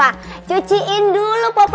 aku keluar duluan